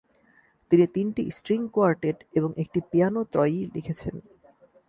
তিনি তিনটি string quartet এবং একটি পিয়ানো ত্রয়ী লিখেছেন।